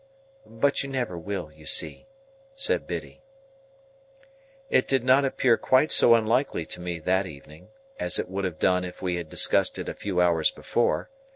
"But you never will, you see," said Biddy. It did not appear quite so unlikely to me that evening, as it would have done if we had discussed it a few hours before.